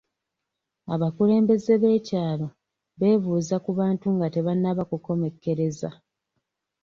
Abakulembeze b'ekyalo bebuuza ku bantu nga tebanaba kukomekkereza .